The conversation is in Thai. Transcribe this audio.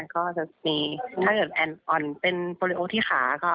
ก็จะมีถ้าเป็นโปรลิโอที่ขาก็